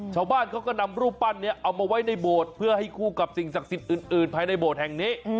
ชาวบ้านเขาก็นำรูปปั้นนี้เอามาไว้ในโบสถ์เพื่อให้คู่กับสิ่งศักดิ์สิทธิ์อื่นภายในโบสถ์แห่งนี้